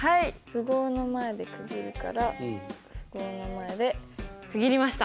符号の前で区切るから符号の前で区切りました！